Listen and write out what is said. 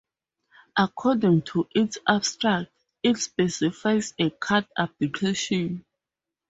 According to its abstract, it specifies a card application.